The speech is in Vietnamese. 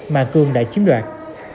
mà cương đã chiếm đoạt